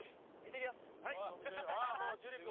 もう樹君。